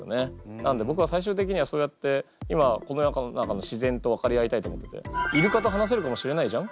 なんで僕は最終的にはそうやって今この世の中の自然と分かり合いたいと思っててイルカと話せるかもしれないじゃん？